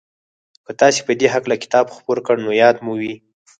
که تاسې په دې هکله کتاب خپور کړ نو ياد مو وي.